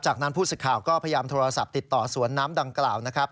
จากนั้นผู้สื่อข่าวก็พยายามโทรศัพท์ติดต่อสวนน้ำดังกล่าวนะครับ